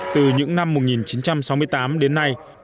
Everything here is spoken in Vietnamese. từ những năm một nghìn chín trăm sáu mươi tám đến nay